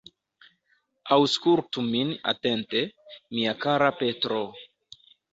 Aŭskultu min atente, mia kara Petro.